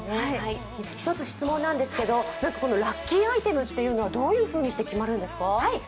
１つ質問なんですが、ラッキーアイテムってどういうふうにして決まるんですか？